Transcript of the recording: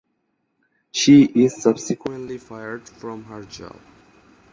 She is subsequently fired from her job.